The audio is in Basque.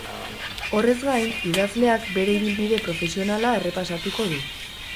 Horrez gain, idazleak bere ibilbide profesionala errepasatuko du.